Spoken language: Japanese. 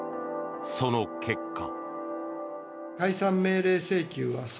その結果。